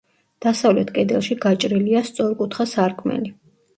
დასავლეთ კედელში გაჭრილია სწორკუთხა სარკმელი.